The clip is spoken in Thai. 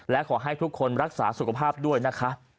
และขอให้ทุกคนรักษาสุขภาพด้วยนะคะ